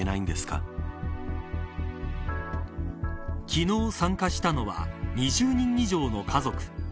昨日参加したのは２０人以上の家族。